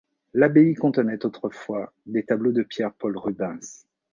L'abbaye contenait autrefois des tableaux de Pierre Paul Rubens.